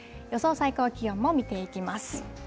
最高気温も見ていきます。